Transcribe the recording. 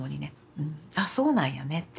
あっそうなんやねって。